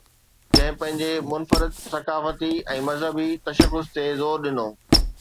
جنهن پنهنجي منفرد ثقافتي ۽ مذهبي تشخص تي زور ڏنو.